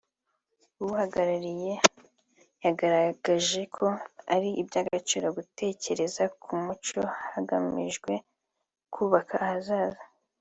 uwuhagarariye yagaragaje ko ari iby’agaciro gutekereza ku muco hagamijwe kubaka ahazaza